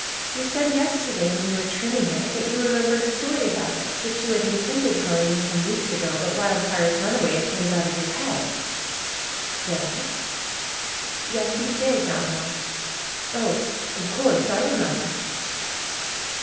You said yesterday, when you were trimming it, that you remembered a story about it, which you had in tended telling me some weeks ago; but Wildfire's run away had put it out of your head." ^^Did I?" ^^Yes, you did, Donald!" ^^Oh, of course! I remember."